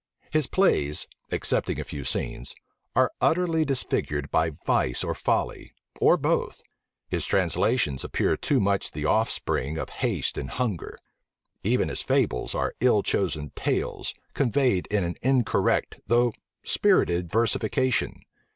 His plays, excepting a few scenes, are utterly disfigured by vice or folly, or both. His translations appear too much the offspring of haste and hunger: even his fables are ill chosen tales, conveyed in an incorrect, though spirited versification.